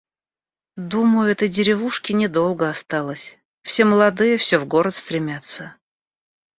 Думаю, этой деревушке недолго осталось. Все молодые всё в город стремятся.